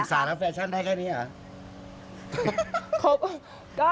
ปรึกษาแล้วแฟชั่นได้แค่นี้หรอ